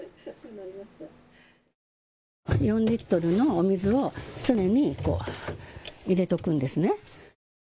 ４リットルのお水を常に入れておくんですね。